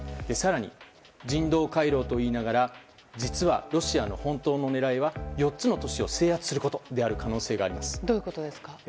更に、人道回廊と言いながら実はロシアの本当の狙いは４つの都市を制圧することである可能性があります。